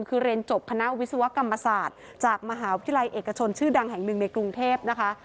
คือเรียนจบคณะวิศวกรรมศาสตร์จากมหาวิทยาลัยเอกชนชื่อดังแห่งหนึ่งในกรุงเทพนะคะ